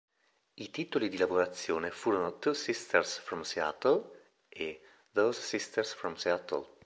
I titoli di lavorazione furono "Two Sisters from Seattle" e "Those Sisters from Seattle".